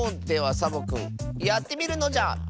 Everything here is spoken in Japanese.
ではサボくんやってみるのじゃ。